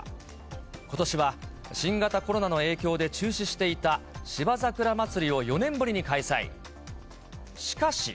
ことしは、新型コロナの影響で中止していた芝ざくらまつりを４年ぶりに開催。